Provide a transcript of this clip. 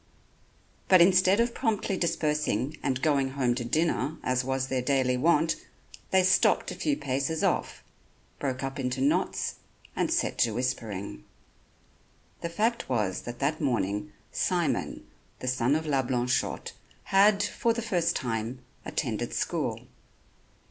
But instead of promptly dispersing and going home to dinner as was their daily wont, they stopped a few paces off, broke up into knots and set to whispering. The fact was that that morning Simon, the son of La Blanchotte, had, for the first time, attended school.